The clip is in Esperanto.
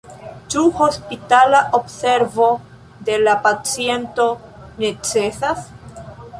Ĉu hospitala observo de la paciento necesas?